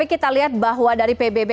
kita lihat bahwa dari pbb